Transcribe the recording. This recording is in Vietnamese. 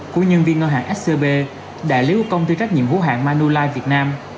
của nhân viên ngân hàng scb đại lý của công ty trách nhiệm vũ hạng manulife việt nam